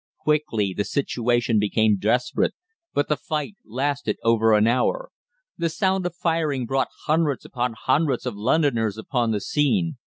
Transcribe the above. Quickly the situation became desperate, but the fight lasted over an hour. The sound of firing brought hundreds upon hundreds of Londoners upon the scene.